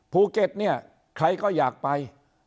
ภูเก็ตเนี่ยใครก็อยากไป